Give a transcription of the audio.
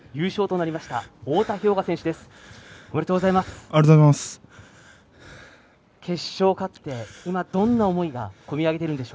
ありがとうございます。